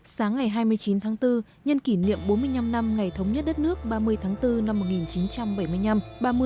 sáng ngày hai mươi chín tháng bốn nhân kỷ niệm bốn mươi năm năm ngày thống nhất đất nước ba mươi tháng bốn năm một nghìn chín trăm bảy mươi năm